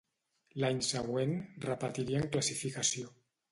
L'any següent, repetirien classificació.